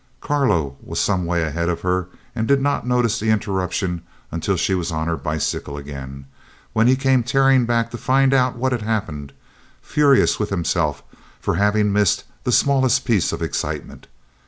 Carlo was some way ahead of her and did not notice the interruption until she was on her bicycle again, when he came tearing back to find out what had happened, furious with himself for having missed the smallest piece of excitement.